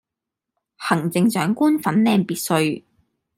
行政長官粉嶺別墅